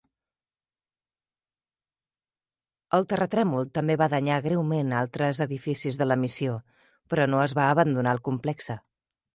El terratrèmol també va danyar greument altres edificis de la missió, però no es va abandonar el complexe.